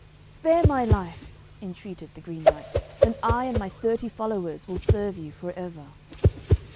'Spare my life,' entreated the Green Knight, 'and I and my thirty followers will serve you for ever.'